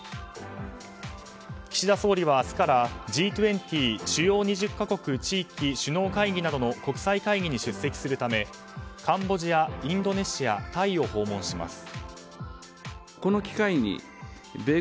岸田総理は明日からＧ２０・主要２０か国・地域首脳会議などの国際会議に出席するためカンボジア、インドネシアタイを訪問します。